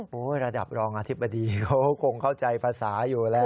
โอ้โหระดับรองอธิบดีเขาคงเข้าใจภาษาอยู่แล้ว